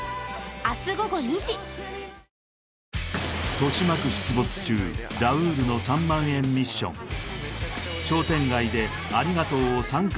豊島区出没中ラウールの３万円ミッションチャレンジ中